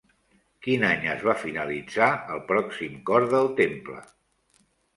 Quin any es va finalitzar el pròxim cor del temple?